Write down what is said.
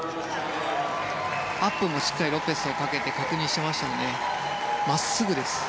アップもしっかりロペスをかけてきたので真っすぐです。